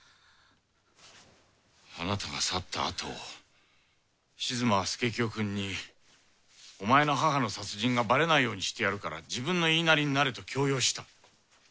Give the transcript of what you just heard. あなたが去ったあと静馬は佐清くんにお前の母の殺人がバレないようにしてやるから自分の言いなりになれと強要した。